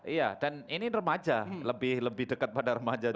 iya dan ini remaja lebih dekat pada remaja